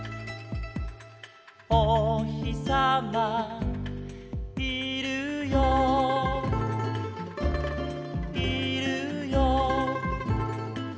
「おひさまいるよいるよ」